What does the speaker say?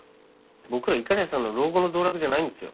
僕らいかりやさんの老後の道楽じゃないんですよ。